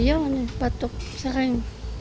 iya banget batuk sering